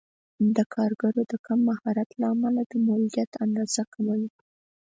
د کارګرو د کم مهارت له امله د مولدیت اندازه کمه وي.